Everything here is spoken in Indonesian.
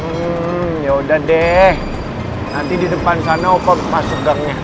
hmm yaudah deh nanti di depan sana aku masuk gangnya